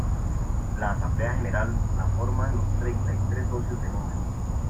La Asamblea General la forman los treinta y tres socios de número.